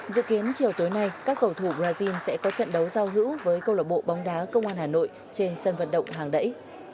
dự kiến chiều tối nay các cầu thủ brazil sẽ có trận đấu giao hữu với câu lạc bộ bóng đá công an hà nội trên sân vận động hàng đẩy